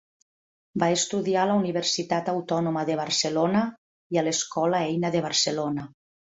Va estudiar a la Universitat Autònoma de Barcelona i a l'Escola Eina de Barcelona.